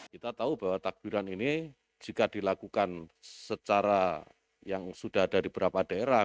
kita tahu bahwa takbiran ini jika dilakukan secara yang sudah ada di beberapa daerah